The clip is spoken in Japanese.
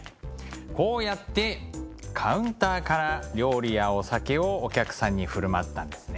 こうやってカウンターから料理やお酒をお客さんに振る舞ったんですね。